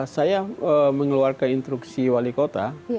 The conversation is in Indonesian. saya mengeluarkan instruksi wali kota